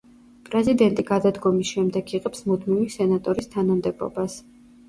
პრეზიდენტი გადადგომის შემდეგ იღებს მუდმივი სენატორის თანამდებობას.